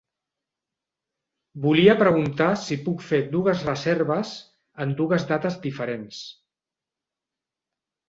Volia preguntar si puc fer dues reserves en dues dates diferents.